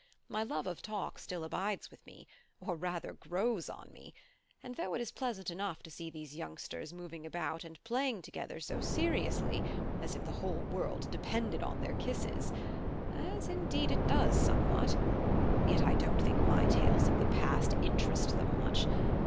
My love of talk still abides with me, or rather grows on me; and though it is pleasant enough to see these youngsters moving about and playing together so seriously, as if the whole world depended on their kisses (as indeed it does somewhat), yet I don't think my tales of the past interest them much.